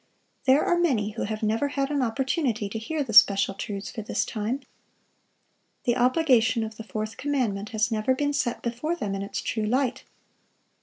There are many who have never had an opportunity to hear the special truths for this time. The obligation of the fourth commandment has never been set before them in its true light.